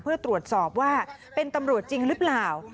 เพื่อตรวจสอบว่าเป็นตำรวจจริงหรือเปล่า